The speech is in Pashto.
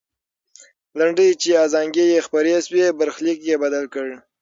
لنډۍ چې ازانګې یې خپرې سوې، برخلیک یې بدل کړ.